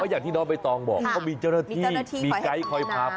อย่างที่น้อใบตองบอก